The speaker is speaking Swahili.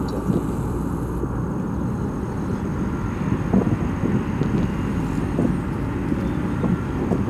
nayotangaza toka dares salam tanzania